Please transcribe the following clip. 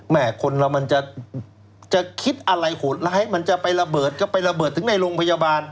คนเรามันจะคิดอะไรโหดร้ายมันจะไประเบิดก็ไประเบิดถึงในโรงพยาบาล